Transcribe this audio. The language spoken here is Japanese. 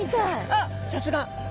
あっさすが。